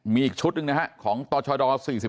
มีอีกชุดหนึ่งนะครับของตลชด๔๓